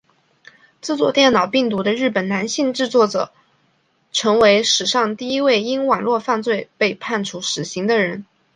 制作电脑病毒的日本男性制作者成为史上第一位因网路犯罪被判处死刑的人。